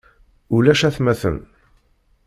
Ulac atmaten.